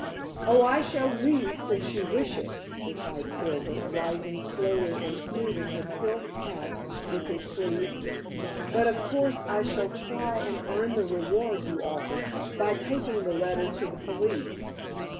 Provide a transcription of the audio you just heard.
"Oh, I shall leave since you wish it," replied Silver, rising slowly and smoothing his silk hat with his sleeve. "But of course I shall try and earn the reward you offered, by taking the letter to the police."